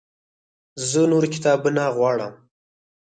زه نور کتابونه غواړم